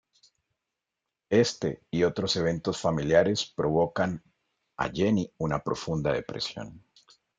Este y otros eventos familiares provocan a Jenni una profunda depresión.